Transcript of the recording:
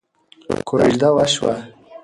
کوژده وشوه.